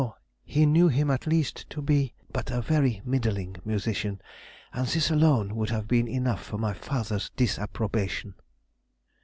he knew him at least to be but a very middling musician, and this alone would have been enough for my father's disapprobation."